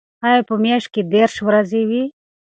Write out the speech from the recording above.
آیا په میاشت کې دېرش ورځې وي؟